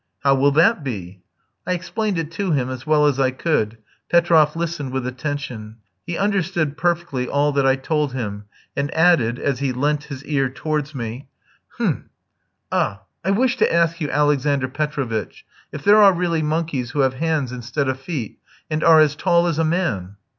"How will that be?" I explained it to him as well as I could; Petroff listened with attention. He understood perfectly all I told him, and added, as he leant his ear towards me: "Hem! Ah, I wished to ask you, Alexander Petrovitch, if there are really monkeys who have hands instead of feet, and are as tall as a man?"